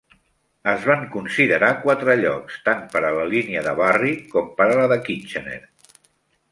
Es van considerar quatre llocs tant per a la línia de Barrie com per a la de Kitchener.